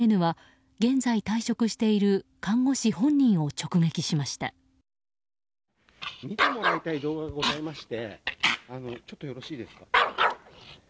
ＦＮＮは現在退職している看護師本人を直撃しました。